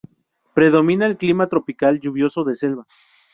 Predomina el clima tropical lluvioso de selva.